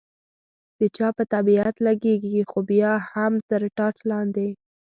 د چا په طبیعت لګېږي، خو بیا هم تر ټاټ لاندې.